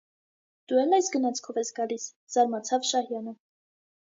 - Դու է՞լ այս գնացքով ես գալիս,- զարմացավ Շահյանը: